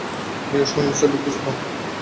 তিনি এই সংমিশ্রণটি খুঁজে পান।